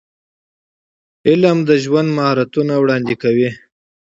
علم د ژوند مهارتونه وړاندې کوي.